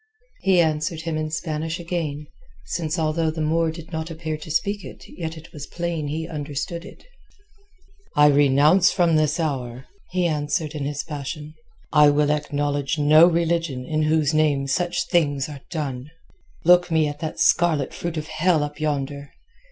He answered him in Spanish again, since although the Moor did not appear to speak it yet it was plain he understood it. "I renounce from this hour," he answered in his passion. "I will acknowledge no religion in whose name such things are done. Look me at that scarlet fruit of hell up yonder.